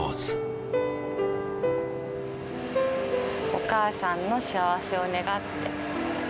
お母さんの幸せを願って。